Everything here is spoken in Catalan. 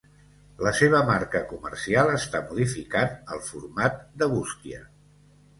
La seva marca comercial està modificant el format de bústia.